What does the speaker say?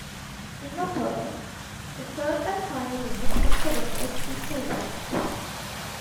In October, the third and final event, Oktoberfest, is celebrated.